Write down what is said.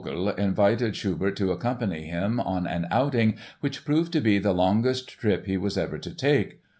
] In May, 1825, Vogl invited Schubert to accompany him on an outing which proved to be the longest trip he was ever to take.